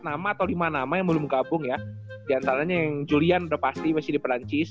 nama atau lima nama yang belum gabung ya dan salahnya yang julian berpasti masih di perancis